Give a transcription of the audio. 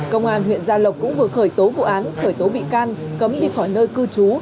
công an huyện gia lộc cũng vừa khởi tố vụ án khởi tố bị can cấm đi khỏi nơi cư trú